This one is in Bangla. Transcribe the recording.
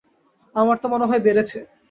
আমার তো মনে হয় বেড়েছে।